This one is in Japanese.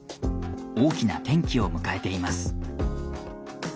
大きな転機を迎えています。